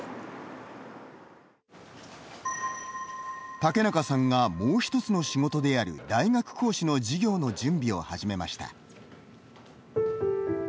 竹中さんがもう一つの仕事である大学講師の授業の準備を始めました。